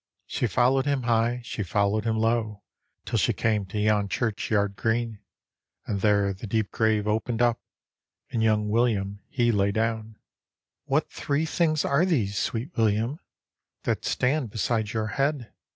She followed him high, she followed him low, Till she came to yon church yard green, And there the deep grave opened up, And young William he lay down. D,gt,, erihyGOOgle The Haunted Hour " What three things are these, sweet William, That stand beside your head?"